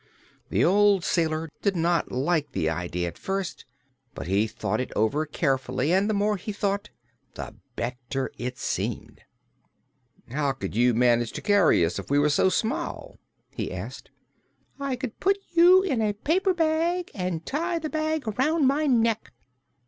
The old sailor did not like the idea at first, but he thought it over carefully and the more he thought the better it seemed. "How could you manage to carry us, if we were so small?" he asked. "I could put you in a paper bag, and tie the bag around my neck."